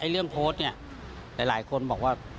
เรื่องโพสต์เนี่ยหลายคนบอกว่า